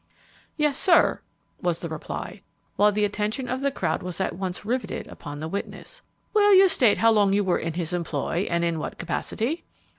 "Yes, sir," was the reply, while the attention of the crowd was at once riveted upon the witness. "Will you state how long you were in his employ, and in what capacity?"